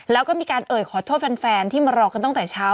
แล้วก็มีการเอ่ยขอโทษแฟนที่มารอกันตั้งแต่เช้า